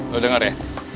lo denger ya